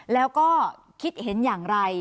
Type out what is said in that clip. แล้วก็คิดเห็นอย่างไร